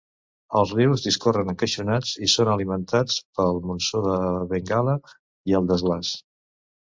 Els rius discorren encaixonats i són alimentats pel monsó de Bengala i el desglaç.